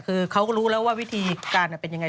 คือเขาก็รู้แล้วว่าวิธีการเป็นยังไง